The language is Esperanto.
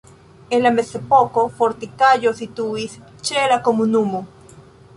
En la mezepoko fortikaĵo situis ĉe la komunumo.